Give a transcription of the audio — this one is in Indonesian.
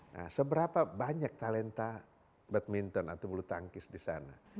nah seberapa banyak talenta badminton atau bulu tangkis di sana